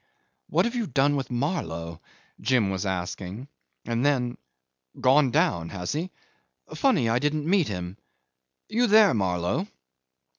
"What have you done with Marlow?" Jim was asking; and then, "Gone down has he? Funny I didn't meet him. ... You there, Marlow?"